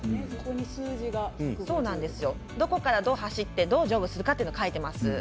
どこからどう走ってどうジョグするかが書いてます。